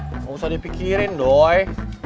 enggak usah dipikirin doi